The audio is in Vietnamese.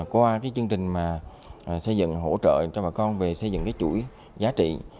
qua chương trình mà xây dựng hỗ trợ cho bà con về xây dựng cái chuỗi giá trị